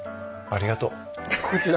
ありがとう。